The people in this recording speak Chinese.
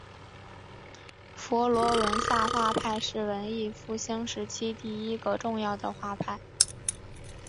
佛罗伦萨画派是文艺复兴时期第一个重要的画派。